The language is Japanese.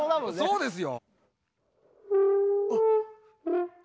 そうですよ。